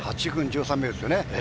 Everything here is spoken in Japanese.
８分１３秒ですよね。